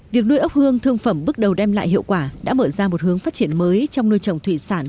việc nuôi ốc hương thương phẩm bước đầu đem lại hiệu quả đã mở ra một hướng phát triển mới trong nuôi trồng thủy sản